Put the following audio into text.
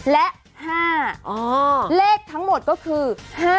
และ๕เลขทั้งหมดก็คือ๕๗